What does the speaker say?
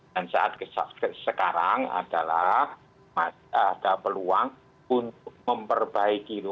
dan saat sekarang adalah masih ada peluang untuk memperbaiki itu